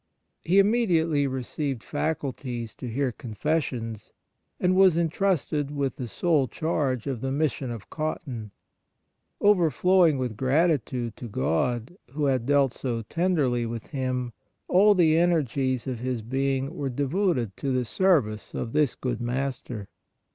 He immediately received faculties to hear confessions, and was entrusted with the sole charge of the Mission of Cotton. Overflowing with gratitude to God, Who had dealt so tenderly with him,' all the energies of his being were devoted to the service of this good Master.